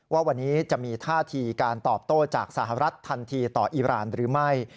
ว่าวันนี้จะมีท่าทีการตอบโต้จากสหรัฐทันทีต่ออีรานหรือไม่